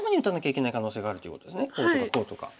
こうとかこうとか。